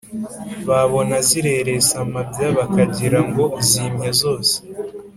babona zireresa amabya bakagira ngo zimya zose